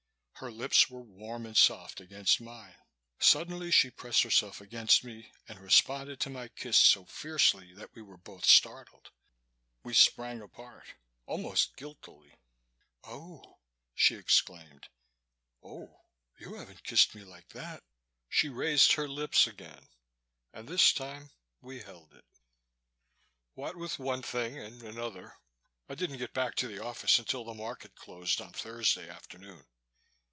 Her lips were warm and soft against mine. Suddenly she pressed herself against me and responded to my kiss so fiercely that we were both startled. We sprang apart, almost guiltily. "Oh!" she exclaimed. "Oh you haven't kissed me like that " She raised her lips again and this time we held it. What with one thing and another, I didn't get back to the office until the Market closed on Thursday afternoon.